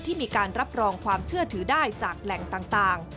มีการรับรองความเชื่อถือได้จากแหล่งต่าง